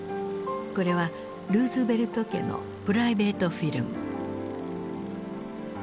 これはルーズベルト家のプライベートフィルム。